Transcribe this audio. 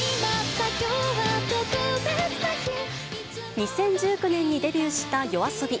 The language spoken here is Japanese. ２０１９年にデビューしたＹＯＡＳＯＢＩ。